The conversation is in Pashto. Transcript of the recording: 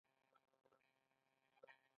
هر ډول طبیعت هلته شته.